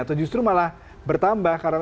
atau justru malah bertambah